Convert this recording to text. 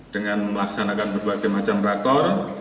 dengan melaksanakan berbagai macam raktor